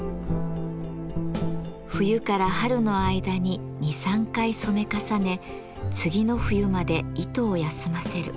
冬から春の間に２３回染め重ね次の冬まで糸を休ませる。